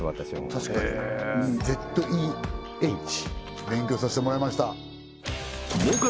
確かにＺＥＨ勉強させてもらいました